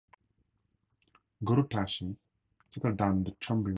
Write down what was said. Guru Tashi settled down in the Chumbi Valley.